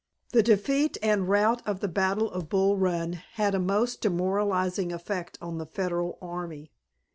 The defeat and rout of the battle of Bull Run had a most demoralizing effect on the Federal army.